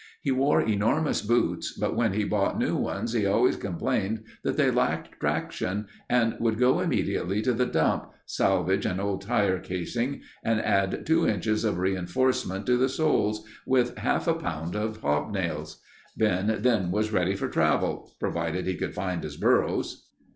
He wore enormous boots, but when he bought new ones he always complained that they lacked traction and would go immediately to the dump, salvage an old tire casing and add two inches of reinforcement to the soles, with half a pound of hobnails. Ben then was ready for travel—provided he could find his burros.